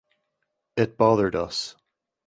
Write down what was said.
It bothered us.